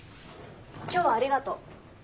今日はありがとう。